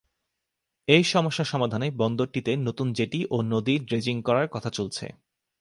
এই সমস্যা সমাধানে বন্দরটিতে নতুন জেটি ও নদীর ড্রেজিং করার কথা চলছে।